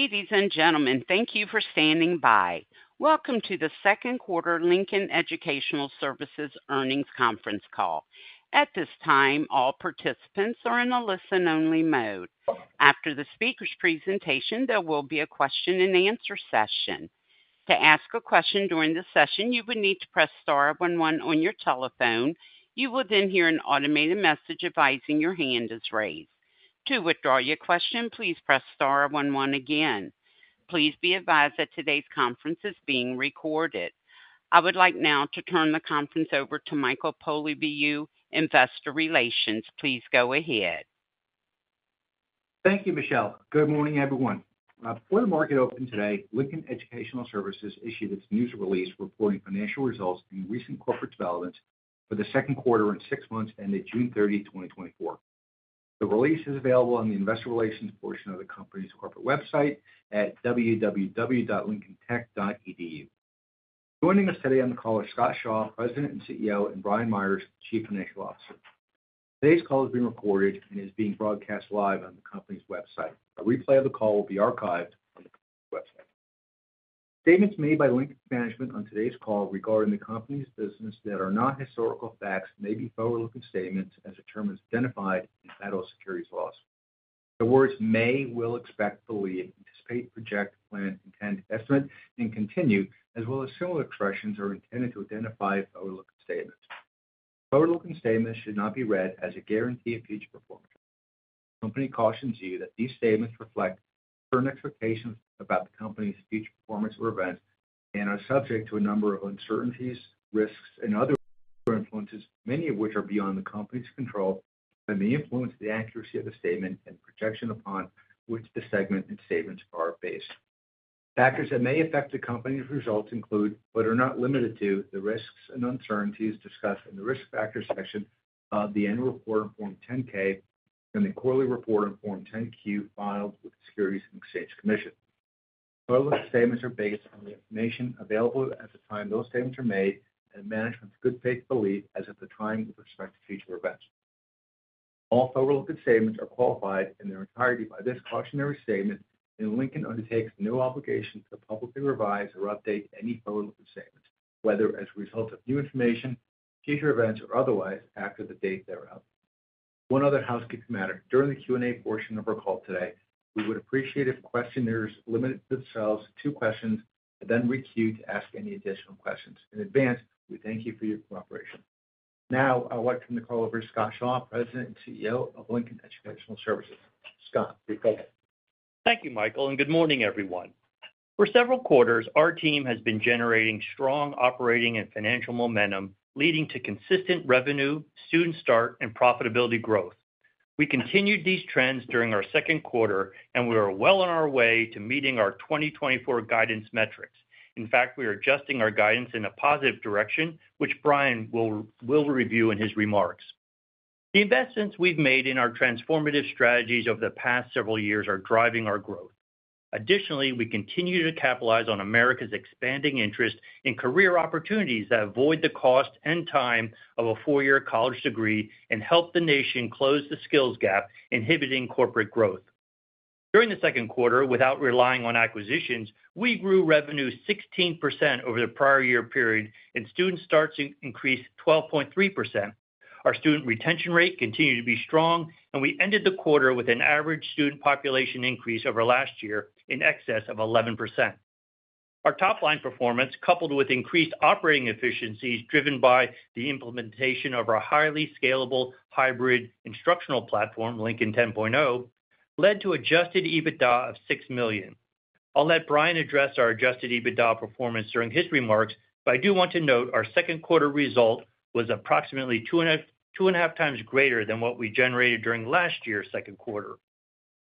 Ladies and gentlemen, thank you for standing by. Welcome to the second quarter Lincoln Educational Services Earnings conference call. At this time, all participants are in a listen only mode. After the speaker's presentation, there will be a question and answer session. To ask a question during the session, you would need to press star one one on your telephone. You will then hear an automated message advising your hand is raised. To withdraw your question, please press star one one again. Please be advised that today's conference is being recorded. I would like now to turn the conference over to Michael Polyviou, Investor Relations. Please go ahead. Thank you, Michelle. Good morning, everyone. Before the market opened today, Lincoln Educational Services issued its news release reporting financial results and recent corporate developments for the second quarter and six months ended June 30, 2024. The release is available on the investor relations portion of the company's corporate website at www.lincolntech.edu. Joining us today on the call are Scott Shaw, President and CEO, and Brian Meyers, Chief Financial Officer. Today's call is being recorded and is being broadcast live on the company's website. A replay of the call will be archived on the website. Statements made by Lincoln's management on today's call regarding the company's business that are not historical facts may be forward-looking statements as the term is identified in federal securities laws. The words may, will, expect, believe, anticipate, project, plan, intend, estimate, and continue, as well as similar expressions, are intended to identify forward-looking statements. Forward-looking statements should not be read as a guarantee of future performance. The company cautions you that these statements reflect current expectations about the company's future performance or events and are subject to a number of uncertainties, risks, and other influences, many of which are beyond the company's control and may influence the accuracy of the statement and projection upon which the segment and statements are based. Factors that may affect the company's results include, but are not limited to, the risks and uncertainties discussed in the Risk Factors section of the annual report in Form 10-K and the quarterly report in Form 10-Q, filed with the Securities and Exchange Commission. Forward-looking statements are based on the information available at the time those statements are made and management's good faith belief as of the time with respect to future events. All forward-looking statements are qualified in their entirety by this cautionary statement, and Lincoln undertakes no obligation to publicly revise or update any forward-looking statements, whether as a result of new information, future events, or otherwise, after the date thereof. One other housekeeping matter. During the Q&A portion of our call today, we would appreciate if questioners limited themselves to two questions and then re-queue to ask any additional questions. In advance, we thank you for your cooperation. Now I would like to turn the call over to Scott Shaw, President and CEO of Lincoln Educational Services. Scott, please go ahead. Thank you, Michael, and good morning, everyone. For several quarters, our team has been generating strong operating and financial momentum, leading to consistent revenue, student start, and profitability growth. We continued these trends during our second quarter, and we are well on our way to meeting our 2024 guidance metrics. In fact, we are adjusting our guidance in a positive direction, which Brian will review in his remarks. The investments we've made in our transformative strategies over the past several years are driving our growth. Additionally, we continue to capitalize on America's expanding interest in career opportunities that avoid the cost and time of a four-year college degree and help the nation close the skills gap, inhibiting corporate growth. During the second quarter, without relying on acquisitions, we grew revenue 16% over the prior year period, and student starts increased 12.3%. Our student retention rate continued to be strong, and we ended the quarter with an average student population increase over last year in excess of 11%. Our top-line performance, coupled with increased operating efficiencies driven by the implementation of our highly scalable hybrid instructional platform, Lincoln 10.0, led to adjusted EBITDA of $6 million. I'll let Brian address our adjusted EBITDA performance during his remarks, but I do want to note our second quarter result was approximately 2.5 times greater than what we generated during last year's second quarter.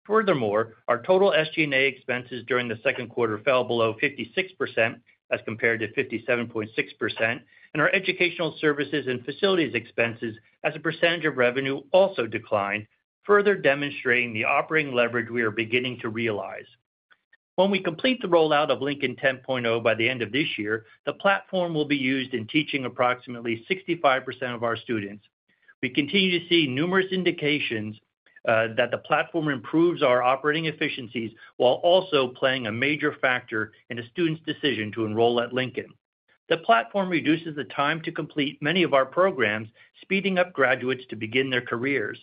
Furthermore, our total SG&A expenses during the second quarter fell below 56%, as compared to 57.6%, and our educational services and facilities expenses as a percentage of revenue also declined, further demonstrating the operating leverage we are beginning to realize. When we complete the rollout of Lincoln 10.0 by the end of this year, the platform will be used in teaching approximately 65% of our students. We continue to see numerous indications, that the platform improves our operating efficiencies while also playing a major factor in a student's decision to enroll at Lincoln. The platform reduces the time to complete many of our programs, speeding up graduates to begin their careers.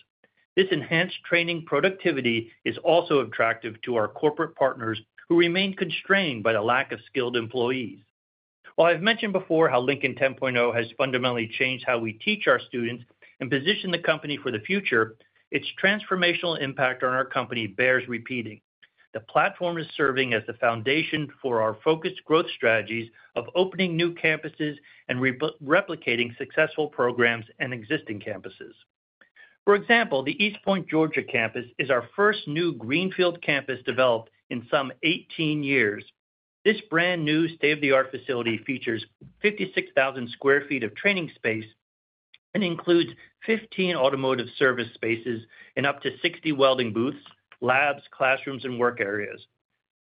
This enhanced training productivity is also attractive to our corporate partners, who remain constrained by the lack of skilled employees. While I've mentioned before how Lincoln 10.0 has fundamentally changed how we teach our students and position the company for the future, its transformational impact on our company bears repeating. The platform is serving as the foundation for our focused growth strategies of opening new campuses and replicating successful programs in existing campuses. For example, the East Point, Georgia campus is our first new greenfield campus developed in some 18 years. This brand-new state-of-the-art facility features 56,000 sq. ft. of training space and includes 15 automotive service spaces and up to 60 welding booths, labs, classrooms, and work areas.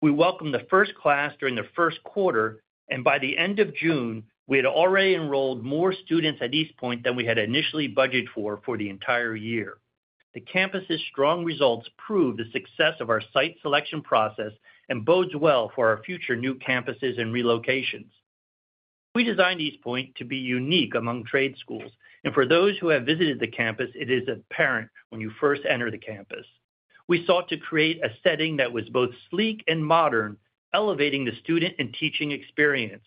We welcomed the first class during the first quarter, and by the end of June, we had already enrolled more students at East Point than we had initially budgeted for, for the entire year. The campus's strong results prove the success of our site selection process and bodes well for our future new campuses and relocations. We designed East Point to be unique among trade schools, and for those who have visited the campus, it is apparent when you first enter the campus. We sought to create a setting that was both sleek and modern, elevating the student and teaching experience.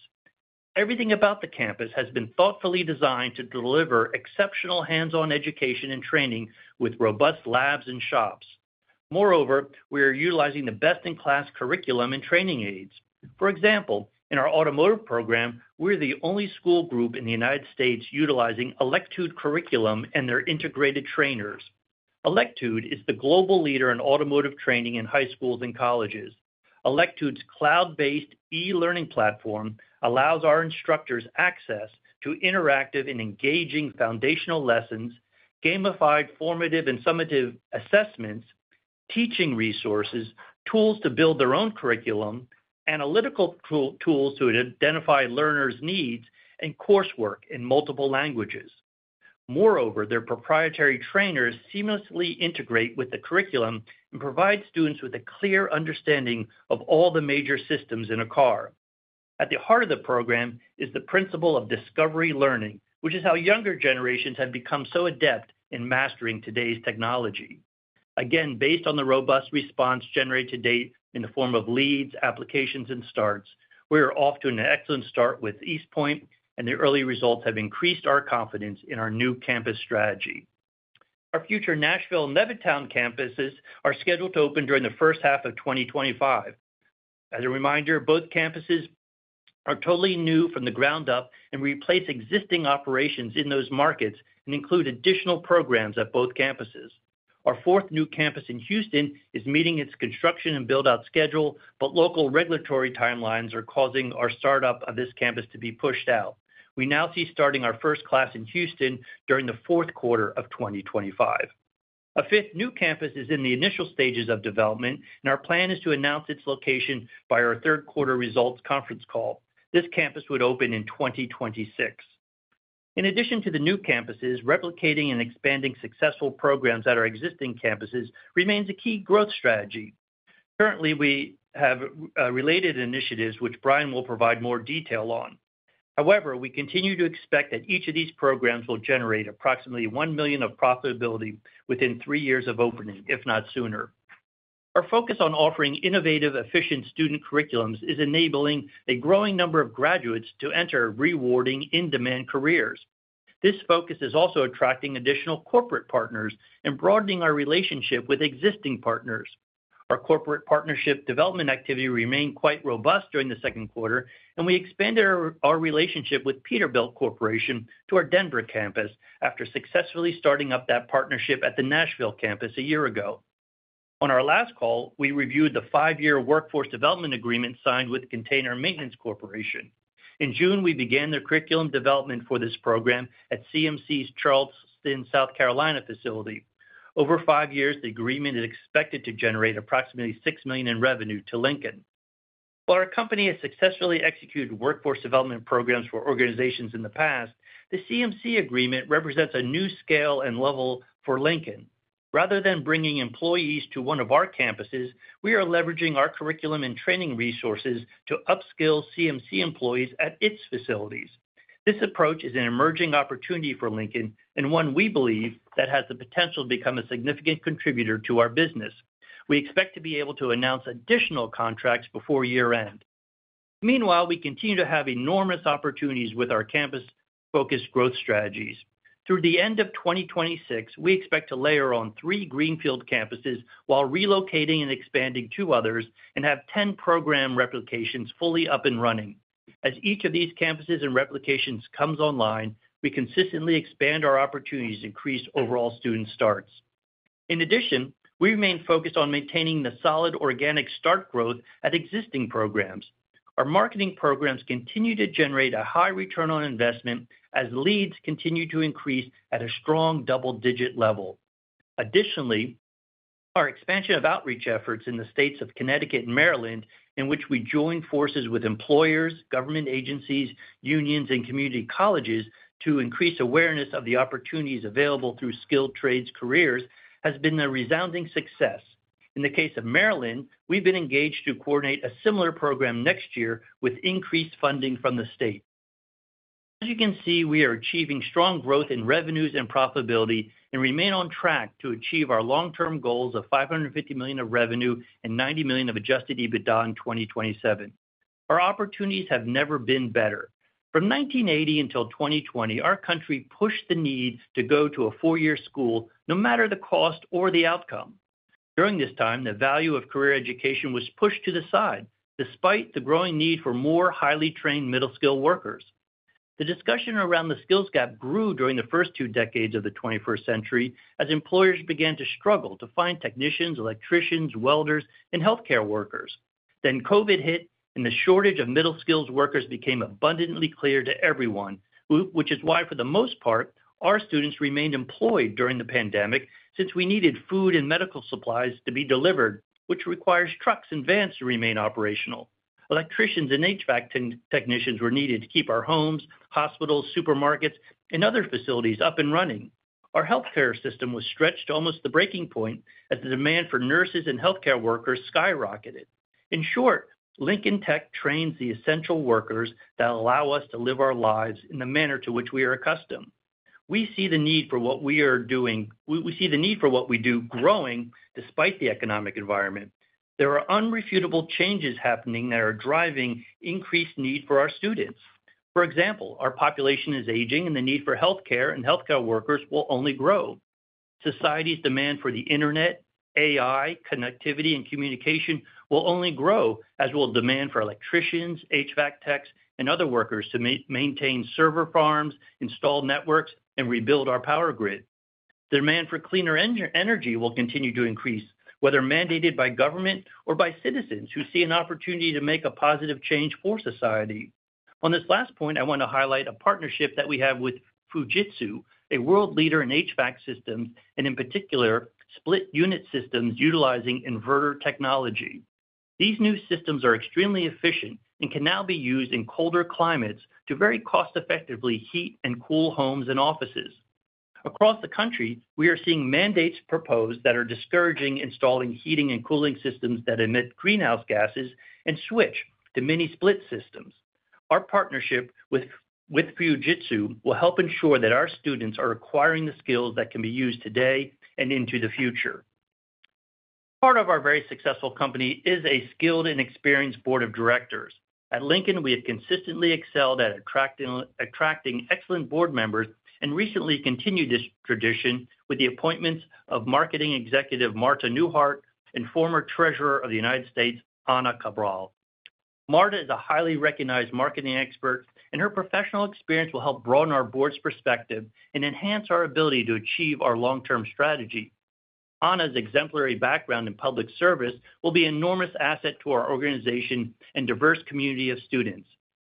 Everything about the campus has been thoughtfully designed to deliver exceptional hands-on education and training with robust labs and shops. Moreover, we are utilizing the best-in-class curriculum and training aids. For example, in our automotive program, we're the only school group in the United States utilizing Electude Curriculum and their integrated trainers. Electude is the global leader in automotive training in high schools and colleges. Electude's cloud-based e-learning platform allows our instructors access to interactive and engaging foundational lessons, gamified formative and summative assessments, teaching resources, tools to build their own curriculum, analytical tool, tools to identify learners' needs, and coursework in multiple languages. Moreover, their proprietary trainers seamlessly integrate with the curriculum and provide students with a clear understanding of all the major systems in a car. At the heart of the program is the principle of discovery learning, which is how younger generations have become so adept in mastering today's technology. Again, based on the robust response generated to date in the form of leads, applications, and starts, we are off to an excellent start with East Point, and the early results have increased our confidence in our new campus strategy. Our future Nashville and Levittown campuses are scheduled to open during the first half of 2025. As a reminder, both campuses are totally new from the ground up and replace existing operations in those markets and include additional programs at both campuses. Our fourth new campus in Houston is meeting its construction and build-out schedule, but local regulatory timelines are causing our startup of this campus to be pushed out. We now see starting our first class in Houston during the fourth quarter of 2025. A fifth new campus is in the initial stages of development, and our plan is to announce its location by our third quarter results conference call. This campus would open in 2026. In addition to the new campuses, replicating and expanding successful programs at our existing campuses remains a key growth strategy. Currently, we have related initiatives, which Brian will provide more detail on. However, we continue to expect that each of these programs will generate approximately $1 million of profitability within three years of opening, if not sooner. Our focus on offering innovative, efficient student curriculums is enabling a growing number of graduates to enter rewarding, in-demand careers. This focus is also attracting additional corporate partners and broadening our relationship with existing partners. Our corporate partnership development activity remained quite robust during the second quarter, and we expanded our relationship with Peterbilt Corporation to our Denver campus after successfully starting up that partnership at the Nashville campus a year ago. On our last call, we reviewed the 5-year workforce development agreement signed with Container Maintenance Corporation. In June, we began the curriculum development for this program at CMC's Charleston, South Carolina, facility. Over 5 years, the agreement is expected to generate approximately $6 million in revenue to Lincoln. While our company has successfully executed workforce development programs for organizations in the past, the CMC agreement represents a new scale and level for Lincoln. Rather than bringing employees to one of our campuses, we are leveraging our curriculum and training resources to upskill CMC employees at its facilities. This approach is an emerging opportunity for Lincoln and one we believe that has the potential to become a significant contributor to our business. We expect to be able to announce additional contracts before year-end. Meanwhile, we continue to have enormous opportunities with our campus-focused growth strategies. Through the end of 2026, we expect to layer on three greenfield campuses while relocating and expanding two others and have 10 program replications fully up and running. As each of these campuses and replications comes online, we consistently expand our opportunities to increase overall student starts. In addition, we remain focused on maintaining the solid organic start growth at existing programs. Our marketing programs continue to generate a high return on investment as leads continue to increase at a strong double-digit level. Additionally, our expansion of outreach efforts in the states of Connecticut and Maryland, in which we join forces with employers, government agencies, unions, and community colleges to increase awareness of the opportunities available through skilled trades careers, has been a resounding success. In the case of Maryland, we've been engaged to coordinate a similar program next year with increased funding from the state. As you can see, we are achieving strong growth in revenues and profitability and remain on track to achieve our long-term goals of $550 million of revenue and $90 million of Adjusted EBITDA in 2027. Our opportunities have never been better. From 1980 until 2020, our country pushed the need to go to a four-year school, no matter the cost or the outcome. During this time, the value of career education was pushed to the side, despite the growing need for more highly trained Middle-Skills Workers. The discussion around the Skills Gap grew during the first two decades of the 21st century as employers began to struggle to find technicians, electricians, welders, and healthcare workers. Then COVID hit, and the shortage of Middle-Skills Workers became abundantly clear to everyone, which is why, for the most part, our students remained employed during the pandemic since we needed food and medical supplies to be delivered, which requires trucks and vans to remain operational. Electricians and HVAC technicians were needed to keep our homes, hospitals, supermarkets, and other facilities up and running. Our healthcare system was stretched to almost the breaking point as the demand for nurses and healthcare workers skyrocketed. In short, Lincoln Tech trains the essential workers that allow us to live our lives in the manner to which we are accustomed. We see the need for what we do growing despite the economic environment. There are irrefutable changes happening that are driving increased need for our students. For example, our population is aging, and the need for healthcare and healthcare workers will only grow. Society's demand for the internet, AI, connectivity, and communication will only grow, as will demand for electricians, HVAC techs, and other workers to maintain server farms, install networks, and rebuild our power grid. The demand for cleaner energy will continue to increase, whether mandated by government or by citizens who see an opportunity to make a positive change for society. On this last point, I want to highlight a partnership that we have with Fujitsu, a world leader in HVAC systems, and in particular, split unit systems utilizing inverter technology. These new systems are extremely efficient and can now be used in colder climates to very cost-effectively heat and cool homes and offices. Across the country, we are seeing mandates proposed that are discouraging installing heating and cooling systems that emit greenhouse gases and switch to mini-split systems. Our partnership with Fujitsu will help ensure that our students are acquiring the skills that can be used today and into the future. Part of our very successful company is a skilled and experienced board of directors. At Lincoln, we have consistently excelled at attracting excellent board members, and recently continued this tradition with the appointments of marketing executive, Marta Newhart, and former Treasurer of the United States, Anna Cabral. Marta is a highly recognized marketing expert, and her professional experience will help broaden our board's perspective and enhance our ability to achieve our long-term strategy. Anna's exemplary background in public service will be an enormous asset to our organization and diverse community of students.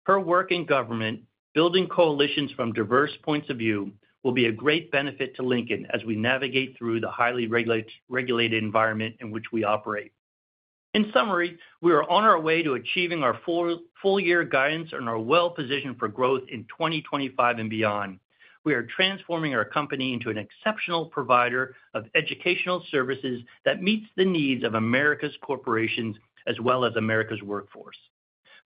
Her work in government, building coalitions from diverse points of view, will be a great benefit to Lincoln as we navigate through the highly regulated environment in which we operate. In summary, we are on our way to achieving our full-year guidance and are well-positioned for growth in 2025 and beyond. We are transforming our company into an exceptional provider of educational services that meets the needs of America's corporations as well as America's workforce.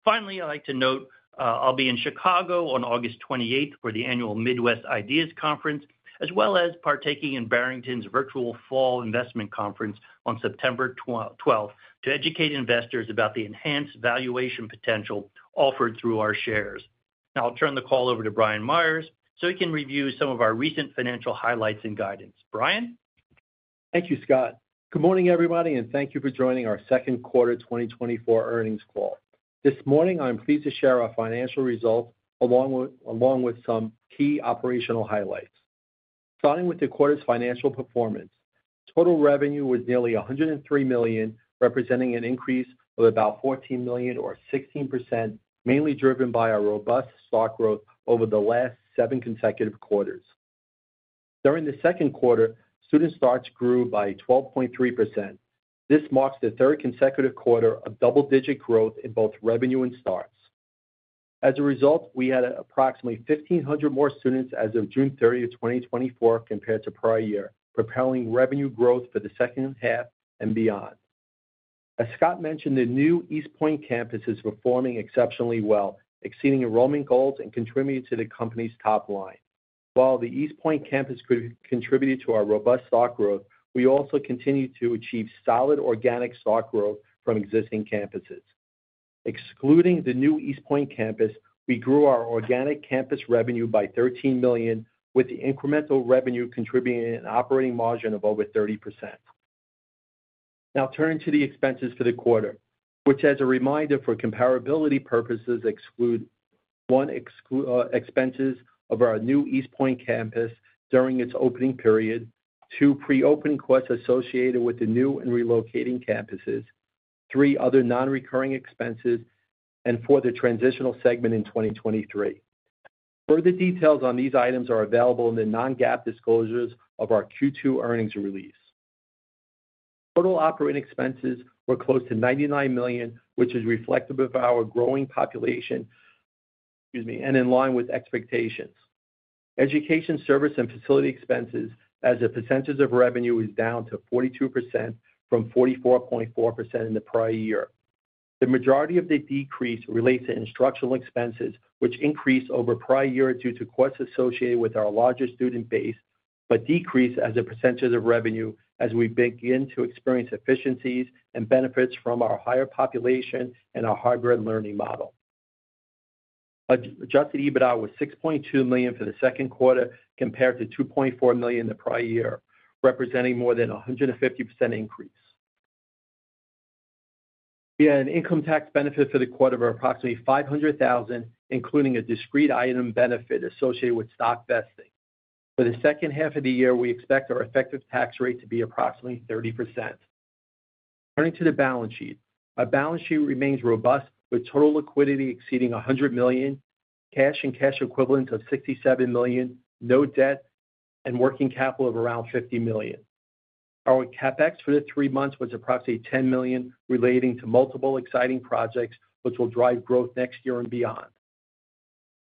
Finally, I'd like to note, I'll be in Chicago on August 28 for the annual Midwest IDEAS Conference, as well as partaking in Barrington's Virtual Fall Investment Conference on September 12, to educate investors about the enhanced valuation potential offered through our shares. Now I'll turn the call over to Brian Meyers, so he can review some of our recent financial highlights and guidance. Brian? Thank you, Scott. Good morning, everybody, and thank you for joining our second quarter 2024 earnings call. This morning, I'm pleased to share our financial results, along with some key operational highlights. Starting with the quarter's financial performance. Total revenue was nearly $103 million, representing an increase of about $14 million or 16%, mainly driven by our robust start growth over the last 7 consecutive quarters. During the second quarter, student starts grew by 12.3%. This marks the third consecutive quarter of double-digit growth in both revenue and starts. As a result, we had approximately 1,500 more students as of June 30, 2024, compared to prior year, propelling revenue growth for the second half and beyond. As Scott mentioned, the new East Point campus is performing exceptionally well, exceeding enrollment goals and contributing to the company's top line. While the East Point campus contributed to our robust stock growth, we also continued to achieve solid organic stock growth from existing campuses. Excluding the new East Point campus, we grew our organic campus revenue by $13 million, with the incremental revenue contributing an operating margin of over 30%. Now, turning to the expenses for the quarter, which, as a reminder, for comparability purposes, exclude: 1, expenses of our new East Point campus during its opening period. 2, pre-opening costs associated with the new and relocating campuses. 3, other non-recurring expenses, and four, the transitional segment in 2023. Further details on these items are available in the non-GAAP disclosures of our Q2 earnings release. Total operating expenses were close to $99 million, which is reflective of our growing population, excuse me, and in line with expectations. Education, service, and facility expenses as a percentage of revenue is down to 42% from 44.4% in the prior year. The majority of the decrease relates to instructional expenses, which increased over prior year due to costs associated with our larger student base, but decreased as a percentage of revenue as we begin to experience efficiencies and benefits from our higher population and our hybrid learning model. Adjusted EBITDA was $6.2 million for the second quarter, compared to $2.4 million the prior year, representing more than a 150% increase. We had an income tax benefit for the quarter of approximately $500,000, including a discrete item benefit associated with stock vesting. For the second half of the year, we expect our effective tax rate to be approximately 30%. Turning to the balance sheet. Our balance sheet remains robust, with total liquidity exceeding $100 million, cash and cash equivalents of $67 million, no debt, and working capital of around $50 million. Our CapEx for the three months was approximately $10 million relating to multiple exciting projects, which will drive growth next year and beyond.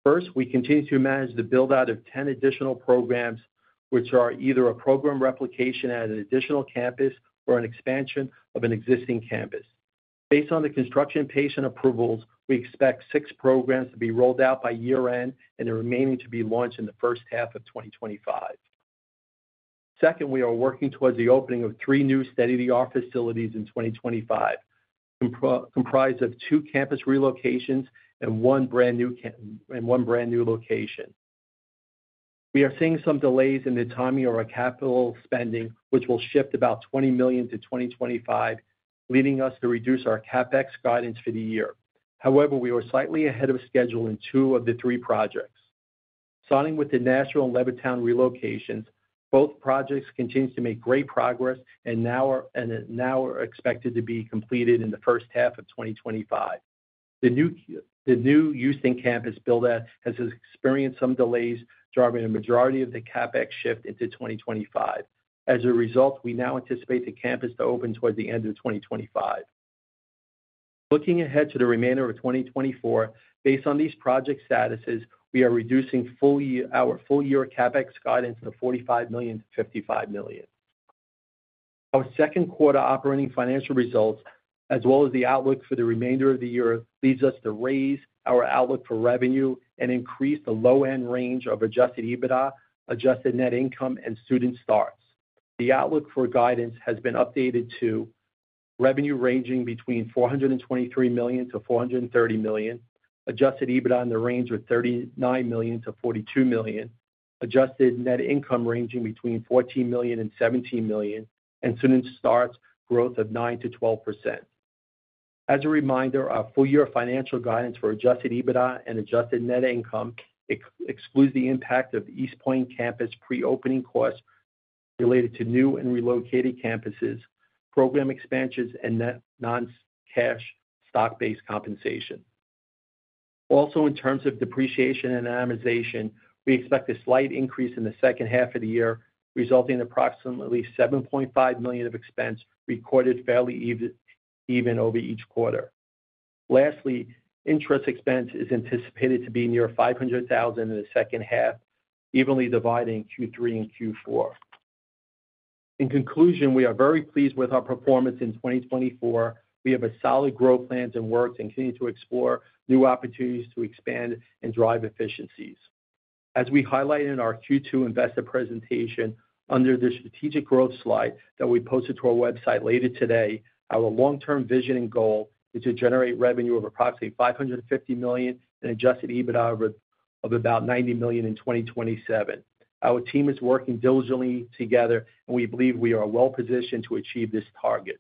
First, we continue to manage the build-out of 10 additional programs, which are either a program replication at an additional campus or an expansion of an existing campus. Based on the construction permit approvals, we expect 6 programs to be rolled out by year-end and the remaining to be launched in the first half of 2025. Second, we are working towards the opening of 3 new steady-state facilities in 2025, comprised of two campus relocations and one brand new location. We are seeing some delays in the timing of our capital spending, which will shift about $20 million to 2025, leading us to reduce our CapEx guidance for the year. However, we are slightly ahead of schedule in two of the three projects. Starting with the Nashville and Levittown relocations, both projects continue to make great progress and now are expected to be completed in the first half of 2025. The new Houston campus build-out has experienced some delays, driving a majority of the CapEx shift into 2025. As a result, we now anticipate the campus to open towards the end of 2025. Looking ahead to the remainder of 2024, based on these project statuses, we are reducing our full year CapEx guidance of $45 million-$55 million. Our second quarter operating financial results, as well as the outlook for the remainder of the year, leads us to raise our outlook for revenue and increase the low-end range of adjusted EBITDA, adjusted net income, and student starts. The outlook for guidance has been updated to revenue ranging between $423 million and $430 million, adjusted EBITDA in the range of $39 million-$42 million, adjusted net income ranging between $14 million and $17 million, and student starts growth of 9%-12%. As a reminder, our full year financial guidance for adjusted EBITDA and adjusted net income excludes the impact of East Point campus pre-opening costs related to new and relocated campuses, program expansions, and net non-cash stock-based compensation. Also, in terms of depreciation and amortization, we expect a slight increase in the second half of the year, resulting in approximately $7.5 million of expense recorded fairly even, even over each quarter. Lastly, interest expense is anticipated to be near $500,000 in the second half, evenly dividing Q3 and Q4. In conclusion, we are very pleased with our performance in 2024. We have a solid growth plans and work to continue to explore new opportunities to expand and drive efficiencies. As we highlighted in our Q2 investor presentation, under the strategic growth slide that we posted to our website later today, our long-term vision and goal is to generate revenue of approximately $550 million and Adjusted EBITDA of about $90 million in 2027. Our team is working diligently together, and we believe we are well positioned to achieve this target.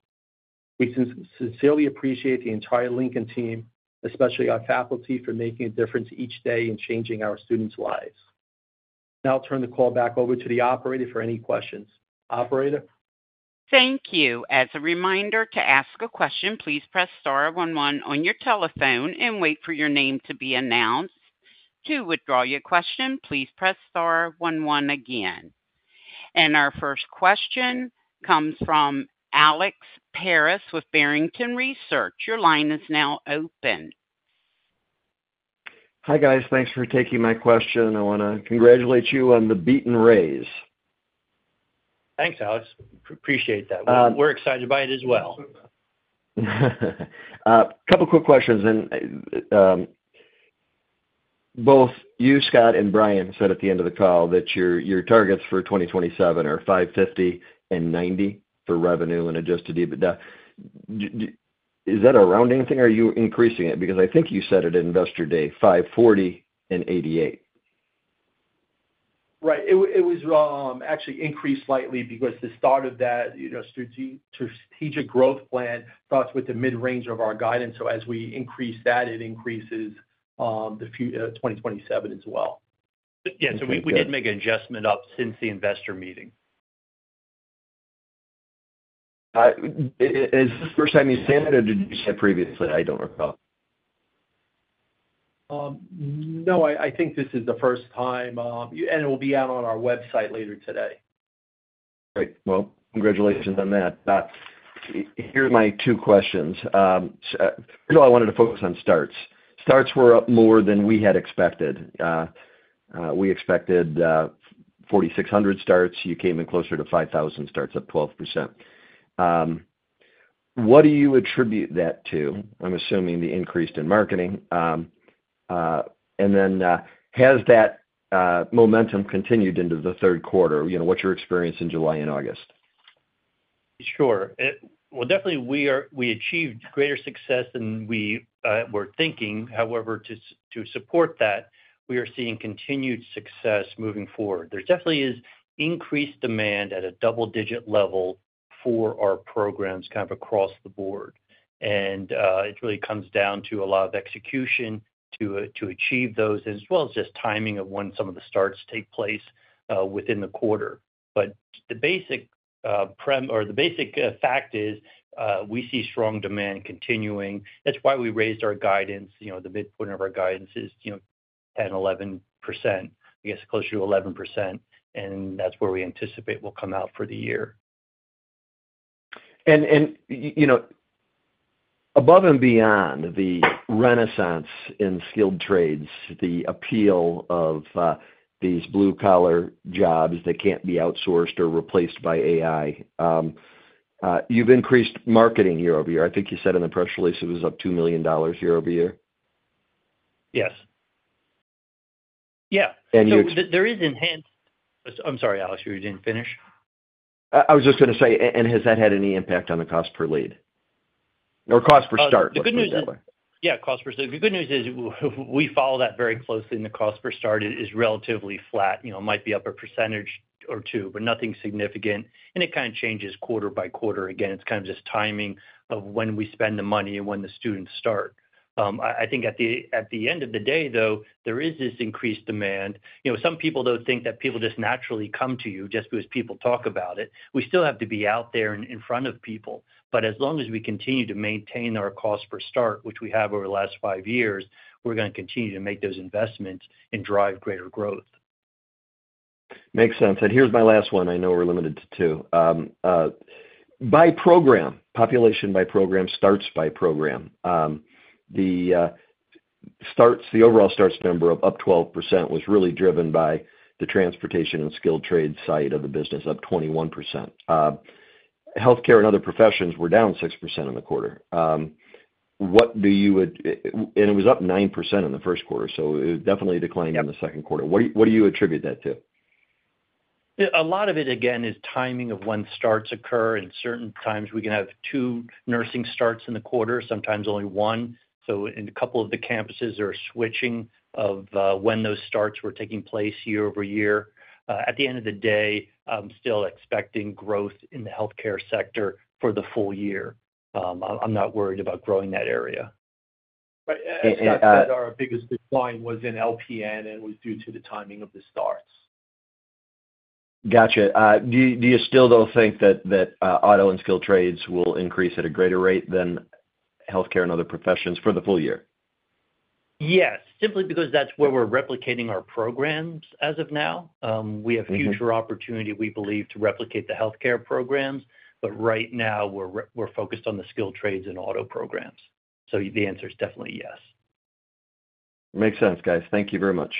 We sincerely appreciate the entire Lincoln team, especially our faculty, for making a difference each day in changing our students' lives. Now I'll turn the call back over to the operator for any questions. Operator? Thank you. As a reminder, to ask a question, please press star one one on your telephone and wait for your name to be announced. To withdraw your question, please press star one one again. Our first question comes from Alex Paris with Barrington Research. Your line is now open. Hi, guys. Thanks for taking my question. I want to congratulate you on the beat and raise. Thanks, Alex. Appreciate that. Um- We're excited by it as well. Couple quick questions. Both you, Scott, and Brian said at the end of the call that your targets for 2027 are $550 and $90 for revenue and Adjusted EBITDA. Is that a rounding thing, or are you increasing it? Because I think you said at Investor Day, $540 and $88. Right. It was actually increased slightly because the start of that, you know, strategic growth plan starts with the mid-range of our guidance. So as we increase that, it increases the future 2027 as well. Yeah, so we did make an adjustment up since the investor meeting. Is this the first time you've said it, or did you say it previously? I don't recall. No, I think this is the first time, and it will be out on our website later today. Great. Well, congratulations on that. Here are my two questions. First of all, I wanted to focus on starts. Starts were up more than we had expected. We expected 4,600 starts. You came in closer to 5,000 starts, up 12%. What do you attribute that to? I'm assuming the increase in marketing. And then, has that momentum continued into the third quarter? You know, what's your experience in July and August? Sure. Well, definitely, we achieved greater success than we were thinking. However, to support that, we are seeing continued success moving forward. There definitely is increased demand at a double-digit level for our programs, kind of across the board. It really comes down to a lot of execution to achieve those, as well as just timing of when some of the starts take place within the quarter. The basic fact is we see strong demand continuing. That's why we raised our guidance. You know, the midpoint of our guidance is 10%-11%, I guess closer to 11%, and that's where we anticipate we'll come out for the year. You know, above and beyond the renaissance in skilled trades, the appeal of these blue-collar jobs that can't be outsourced or replaced by AI. You've increased marketing year-over-year. I think you said in the press release it was up $2 million year-over-year? Yes. Yeah. And you- So there is enhanced—I'm sorry, Alex, you didn't finish? I was just gonna say, and has that had any impact on the cost per lead or cost per start? The good news is, yeah, cost per start. The good news is we follow that very closely, and the cost per start is relatively flat, you know, might be up a percentage or two, but nothing significant, and it kind of changes quarter by quarter. Again, it's kind of just timing of when we spend the money and when the students start. I think at the end of the day, though, there is this increased demand. You know, some people, though, think that people just naturally come to you just because people talk about it. We still have to be out there and in front of people, but as long as we continue to maintain our cost per start, which we have over the last five years, we're gonna continue to make those investments and drive greater growth. Makes sense. And here's my last one. I know we're limited to two. By program, population by program, starts by program, the starts, the overall starts number up 12% was really driven by the transportation and skilled trade side of the business, up 21%. Healthcare and other professions were down 6% in the quarter. What do you would – and it was up 9% in the first quarter, so it definitely declined- Yeah -in the second quarter. What do you, what do you attribute that to? Yeah, a lot of it, again, is timing of when starts occur, and certain times we can have two nursing starts in the quarter, sometimes only one. So in a couple of the campuses are switching of when those starts were taking place year-over-year. At the end of the day, I'm still expecting growth in the healthcare sector for the full year. I'm not worried about growing that area. But as Scott said, our biggest decline was in LPN, and it was due to the timing of the starts. Gotcha. Do you still, though, think that auto and skilled trades will increase at a greater rate than healthcare and other professions for the full year? Yes, simply because that's where we're replicating our programs as of now. Mm-hmm. We have future opportunity, we believe, to replicate the healthcare programs, but right now we're focused on the skilled trades and auto programs. So the answer is definitely yes. Makes sense, guys. Thank you very much.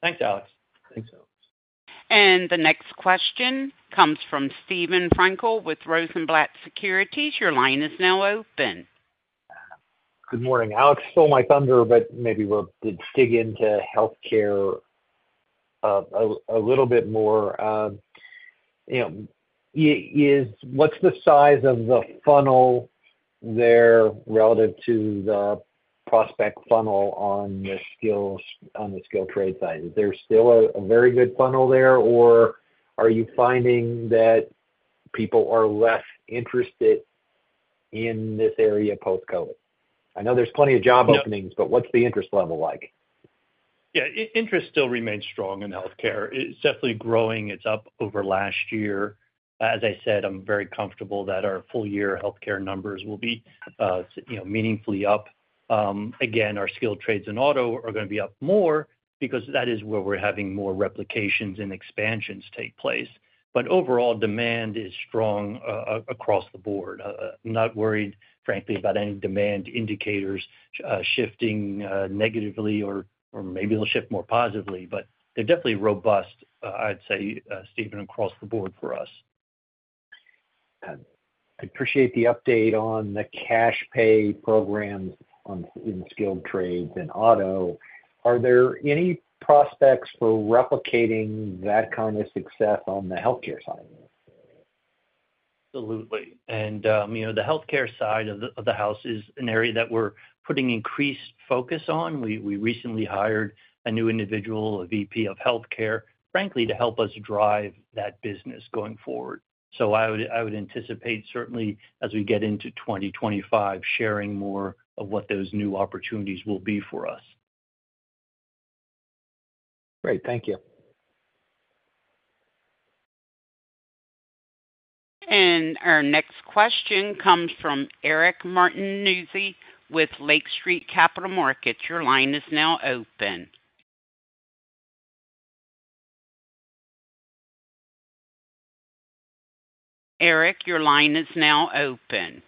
Thanks, Alex. Thanks, Alex. The next question comes from Steven Frankel with Rosenblatt Securities. Your line is now open. Good morning, Alex. Stole my thunder, but maybe we'll dig into healthcare, a little bit more. You know, is what's the size of the funnel there relative to the prospect funnel on the skills, on the skilled trade side? Is there still a very good funnel there, or are you finding that people are less interested in this area post-COVID? I know there's plenty of job openings- No. But what's the interest level like? Yeah, interest still remains strong in healthcare. It's definitely growing. It's up over last year. As I said, I'm very comfortable that our full-year healthcare numbers will be, you know, meaningfully up. Again, our skilled trades and auto are gonna be up more because that is where we're having more replications and expansions take place. But overall, demand is strong, across the board. I'm not worried, frankly, about any demand indicators shifting negatively or maybe it'll shift more positively, but they're definitely robust, I'd say, Steven, across the board for us. I appreciate the update on the cash pay programs in skilled trades and auto. Are there any prospects for replicating that kind of success on the healthcare side? Absolutely. And, you know, the healthcare side of the house is an area that we're putting increased focus on. We recently hired a new individual, a VP of Healthcare, frankly, to help us drive that business going forward. So I would anticipate, certainly as we get into 2025, sharing more of what those new opportunities will be for us. Great. Thank you. Our next question comes from Eric Martinuzzi with Lake Street Capital Markets. Your line is now open. Eric, your line is now open.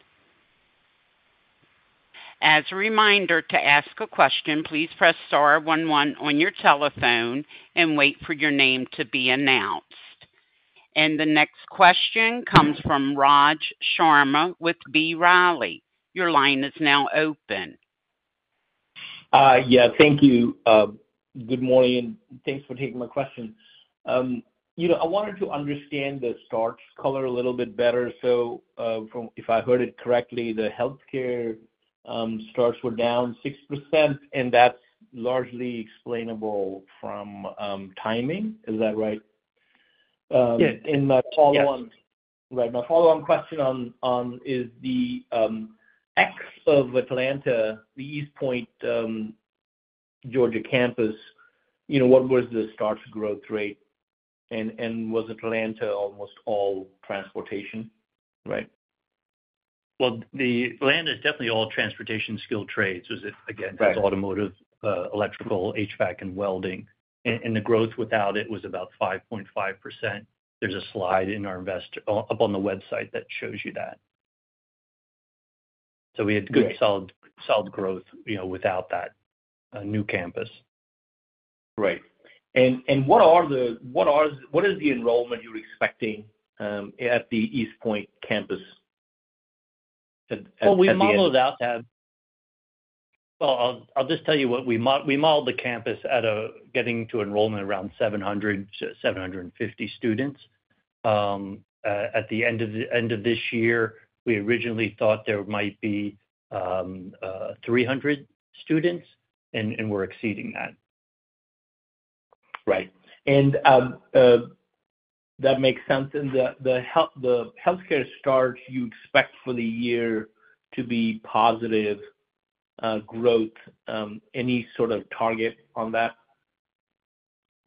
As a reminder, to ask a question, please press star one one on your telephone and wait for your name to be announced. The next question comes from Raj Sharma with B. Riley. Your line is now open. Yeah, thank you. Good morning, and thanks for taking my question. You know, I wanted to understand the starts color a little bit better. So, from... If I heard it correctly, the healthcare starts were down 6%, and that's largely explainable from timing. Is that right? Yeah. And my follow on- Yes. Right. My follow-on question on the expansion of Atlanta, the East Point, Georgia campus, you know, what was the starts growth rate? And was Atlanta almost all transportation, right? ... Well, the land is definitely all transportation skilled trades, is it, again- Right. -it's automotive, electrical, HVAC, and welding. And the growth without it was about 5.5%. There's a slide in our invest-- up on the website that shows you that. So we had- Great. Good, solid, solid growth, you know, without that new campus. Right. And what is the enrollment you're expecting at the East Point campus at the end? Well, I'll, I'll just tell you what, we modeled the campus at getting to enrollment around 700 to 750 students. At the end of this year, we originally thought there might be 300 students, and we're exceeding that. Right. That makes sense. The healthcare start you expect for the year to be positive growth? Any sort of target on that?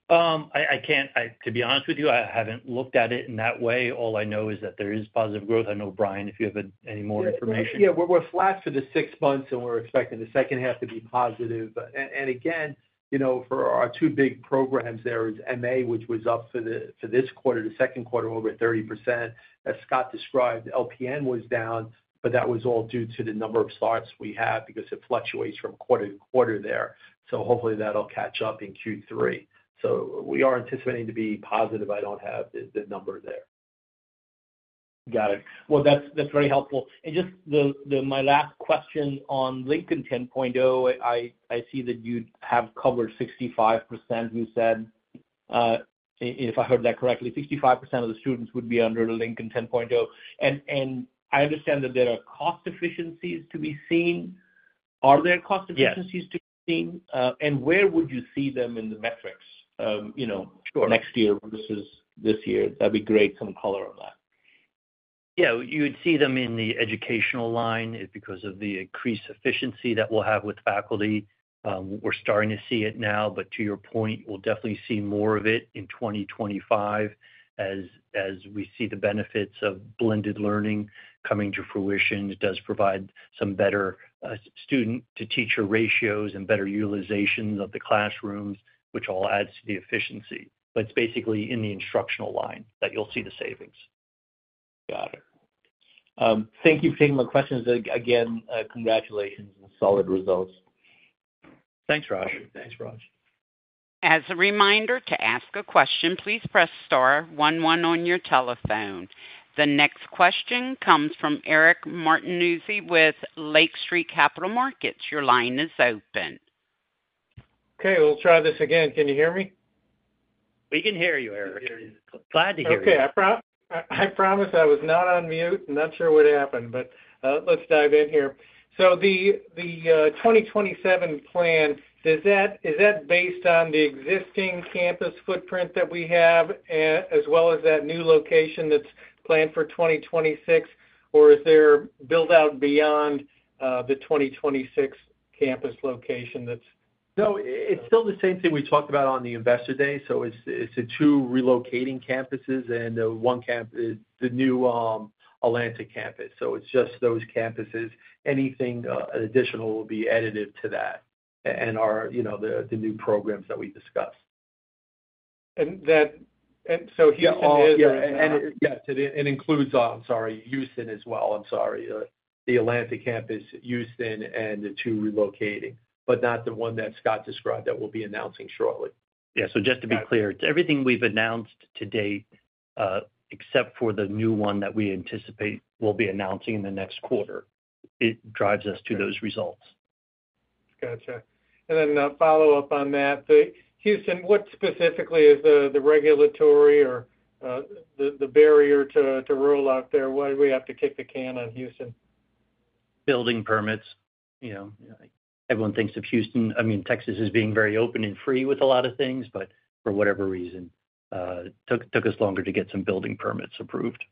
I can't... To be honest with you, I haven't looked at it in that way. All I know is that there is positive growth. I know, Brian, if you have any more information. Yeah. Yeah, we're, we're flat for the six months, and we're expecting the second half to be positive. And, and again, you know, for our two big programs there is MA, which was up for the, for this quarter, the second quarter, over 30%. As Scott described, LPN was down, but that was all due to the number of starts we had because it fluctuates from quarter to quarter there. So hopefully that'll catch up in Q3. So we are anticipating to be positive. I don't have the number there. Got it. Well, that's very helpful. And just the... My last question on Lincoln 10.0, I see that you have covered 65%, you said. If I heard that correctly, 65% of the students would be under the Lincoln 10.0. And I understand that there are cost efficiencies to be seen. Are there cost efficiencies- Yes -to be seen? And where would you see them in the metrics? You know- Sure. next year, versus this year. That'd be great, some color on that. Yeah, you would see them in the educational line because of the increased efficiency that we'll have with faculty. We're starting to see it now, but to your point, we'll definitely see more of it in 2025 as we see the benefits of blended learning coming to fruition. It does provide some better student-to-teacher ratios and better utilization of the classrooms, which all adds to the efficiency. But it's basically in the instructional line that you'll see the savings. Got it. Thank you for taking my questions again. Congratulations on the solid results. Thanks, Raj. Thanks, Raj. As a reminder, to ask a question, please press star one one on your telephone. The next question comes from Eric Martinuzzi with Lake Street Capital Markets. Your line is open. Okay, we'll try this again. Can you hear me? We can hear you, Eric. We hear you. Glad to hear you. Okay. I promise I was not on mute. I'm not sure what happened, but, let's dive in here. So the 2027 plan, does that- is that based on the existing campus footprint that we have, as well as that new location that's planned for 2026? Or is there build out beyond, the 2026 campus location that's- No, it's still the same thing we talked about on the Investor Day. So it's the two relocating campuses and the new Atlantic campus. So it's just those campuses. Anything additional will be additive to that and are, you know, the new programs that we discussed. Houston is- Yes, it includes, I'm sorry, Houston as well. I'm sorry. The Atlanta campus, Houston, and the two relocating, but not the one that Scott described that we'll be announcing shortly. Yeah. So just to be clear, everything we've announced to date, except for the new one that we anticipate we'll be announcing in the next quarter, it drives us to those results. Gotcha. And then, follow up on that. The Houston, what specifically is the regulatory or the barrier to roll out there? Why do we have to kick the can on Houston? Building permits. You know, everyone thinks of Houston, I mean, Texas, as being very open and free with a lot of things, but for whatever reason, took us longer to get some building permits approved.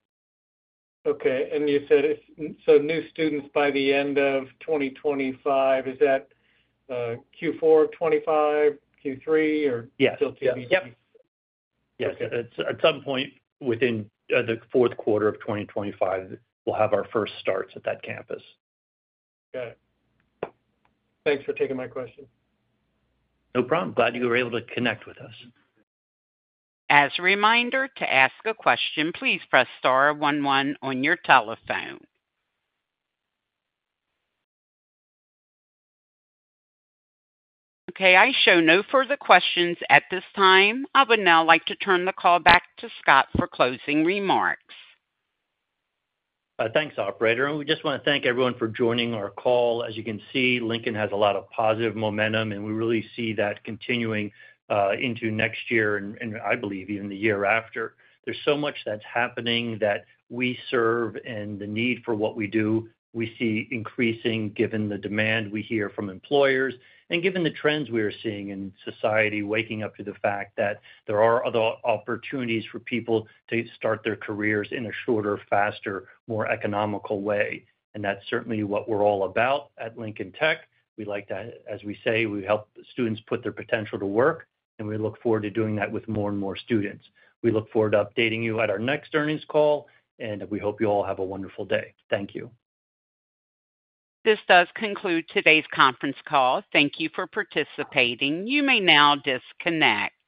Okay. And you said it's... So new students by the end of 2025, is that Q4 of 2025, Q3, or- Yes. Still Q4? Yep. Yes, it's at some point within the fourth quarter of 2025, we'll have our first starts at that campus. Got it. Thanks for taking my question. No problem. Glad you were able to connect with us. As a reminder, to ask a question, please press star one one on your telephone. Okay, I show no further questions at this time. I would now like to turn the call back to Scott for closing remarks. Thanks, operator, and we just wanna thank everyone for joining our call. As you can see, Lincoln has a lot of positive momentum, and we really see that continuing into next year and, and I believe even the year after. There's so much that's happening that we serve, and the need for what we do, we see increasing, given the demand we hear from employers. And given the trends we are seeing in society, waking up to the fact that there are other opportunities for people to start their careers in a shorter, faster, more economical way. And that's certainly what we're all about at Lincoln Tech. We like to, as we say, we help students put their potential to work, and we look forward to doing that with more and more students. We look forward to updating you at our next earnings call, and we hope you all have a wonderful day. Thank you. This does conclude today's conference call. Thank you for participating. You may now disconnect.